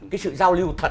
cái sự giao lưu thật